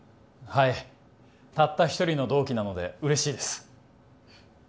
はいたった一人の同期なので嬉しいです